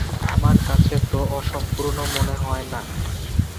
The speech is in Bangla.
আমার কাছে তো অসম্পূর্ণ মনে হয় না।